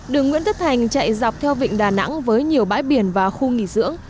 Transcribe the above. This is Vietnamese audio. đường nguyễn tất thành chạy dọc theo vịnh đà nẵng với nhiều bãi biển và khu nghỉ dưỡng